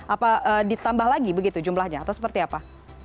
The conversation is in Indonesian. apa ditambah lagi begitu jumlahnya atau seperti apa